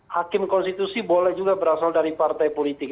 hakim konstitusi boleh juga berasal dari partai politik